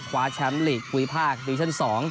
คว้าแชมป์ลีกภูมิภาคดิวิชั่น๒